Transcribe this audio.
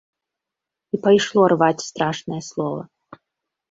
І пайшло рваць страшнае слова.